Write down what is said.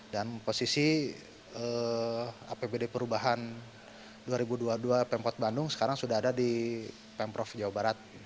dan posisi apbd perubahan dua ribu dua puluh dua pemkot bandung sekarang sudah ada di pemprov jawa barat